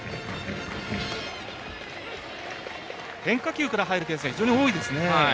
変化球から入るケースが非常に多いです。